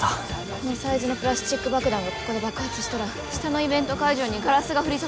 このサイズのプラスチック爆弾がここで爆発したら下のイベント会場にガラスが降り注ぐ。